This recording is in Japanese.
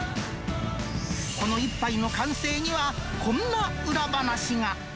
この一杯の完成には、こんな裏話が。